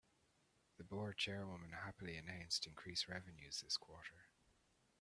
The board chairwoman happily announced increased revenues this quarter.